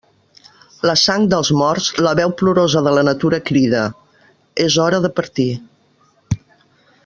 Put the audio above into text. La sang dels morts, la veu plorosa de la natura crida: és hora de partir.